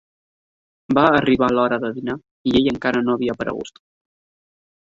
Va arribar l'hora de dinar i ell encara no havia aparegut.